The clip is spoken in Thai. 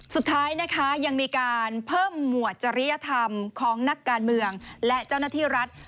สุดท้ายนะคะยังมีการเพิ่มหมวดจริยธรรมของนักการเมืองและเจ้าหน้าที่รัฐ